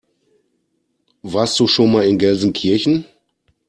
Warst du schon mal in Gelsenkirchen?